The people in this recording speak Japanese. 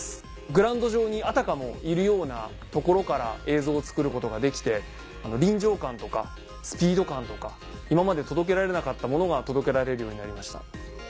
グラウンド場にあたかもいるような所から映像を作ることができて臨場感とかスピード感とか今まで届けられなかったものが届けられるようになりました。